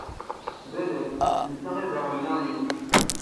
Blek, d netta i d aɣella-nsen.